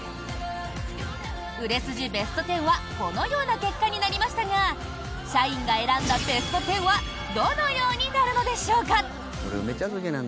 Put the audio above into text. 売れ筋ベスト１０はこのような結果になりましたが社員が選んだベスト１０はどのようになるのでしょうか？